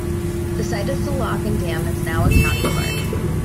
The site of the lock and dam is now a county park.